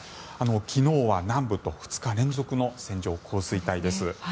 昨日は南部と２日連続の線状降水帯です。